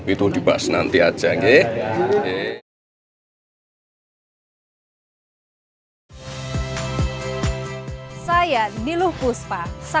itu dibahas nanti ajang